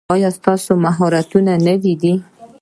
ایا ستاسو مهارتونه نوي دي؟